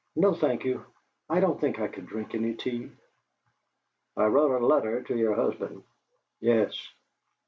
"No, thank you; I don't think I could drink any tea." "I wrote a letter to your husband." "Yes."